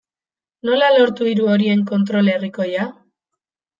Nola lortu hiru horien kontrol herrikoia?